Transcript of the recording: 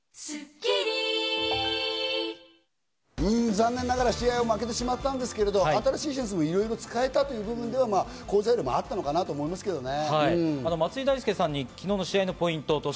残念ながら試合は負けてしまったんですけれども、新しい選手も使えたということで好材料もあったのかなと思いますけどね。